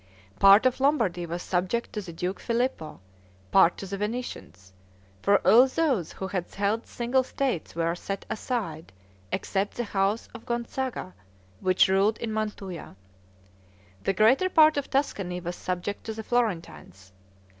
Part of Lombardy was subject to the Duke Filippo, part to the Venetians; for all those who had held single states were set aside, except the House of Gonzaga, which ruled in Mantua. The greater part of Tuscany was subject to the Florentines.